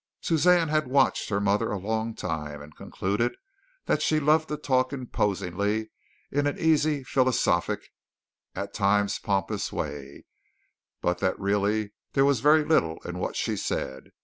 Suzanne had watched her mother a long time and concluded that she loved to talk imposingly in an easy, philosophic, at times pompous, way, but that really there was very little in what she said.